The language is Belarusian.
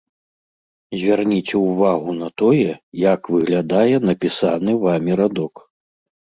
Звярніце ўвагу на тое, як выглядае напісаны вамі радок.